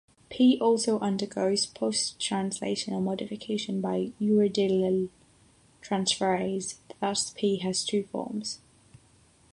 P also undergoes post-translational modification by uridylyl transferase, thus P has two forms.